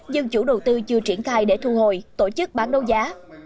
nhưng chủ đầu tư chưa triển khai để thu hồi tổ chức bán đấu giá